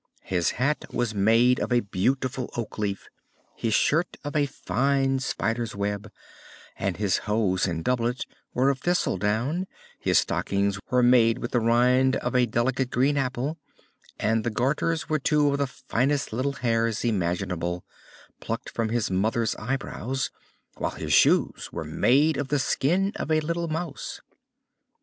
His hat was made of a beautiful oak leaf, his shirt of a fine spider's web, and his hose and doublet were of thistledown, his stockings were made with the rind of a delicate green apple, and the garters were two of the finest little hairs imaginable, plucked from his mother's eyebrows, while his shoes were made of the skin of a little mouse.